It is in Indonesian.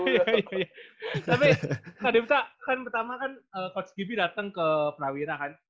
tapi kak dipta kan pertama kan coach gibi datang ke prawira kan